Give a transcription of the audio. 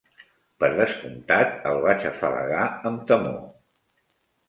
Per descomptat, el vaig afalagar amb temor.